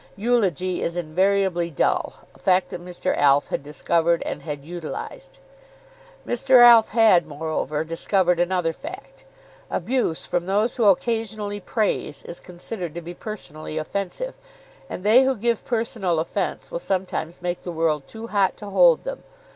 Eulogy is invariably dull, a fact that Mr. Alf had discovered and had utilized. Mr. Alf had, moreover, discovered another fact. Abuse from those who occasionally praise is considered to be personally offensive, and they who give personal offence will sometimes make the world too hot to hold them.